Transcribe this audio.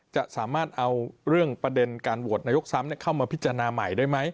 จะสามารถเอาเรื่องประเด็นการโหวตนายกซ้ำเข้ามาพิจารณาใหม่ได้ไหม